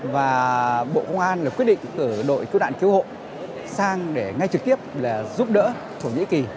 và bộ công an quyết định cử đội cứu nạn cứu hộ sang để ngay trực tiếp là giúp đỡ thổ nhĩ kỳ